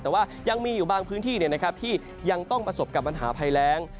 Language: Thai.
แต่ว่ายังมีอยู่บางพื้นที่ที่ยังต้องประสบกับปัญหาภัยแรง